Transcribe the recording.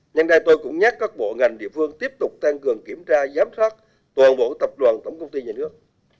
nhưng đây tôi cũng nhắc các bộ ngành địa phương tiếp tục tăng cường kiểm tra giám sát toàn bộ tập đoàn tổng công ty nhà nước